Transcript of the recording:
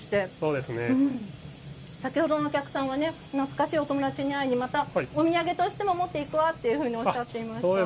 先ほどのお客さんは懐かしいお友達に会うためにまた、お土産としても持っていくわとおっしゃっていました。